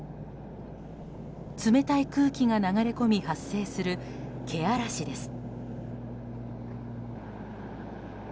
冷たい空気が流れ込み、発生するけあらしです。